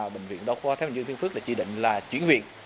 bệnh viện đao khoa thái bình dương tiên phước là chỉ định là chuyển viện